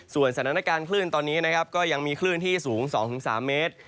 สถานการณ์คลื่นตอนนี้นะครับก็ยังมีคลื่นที่สูง๒๓เมตร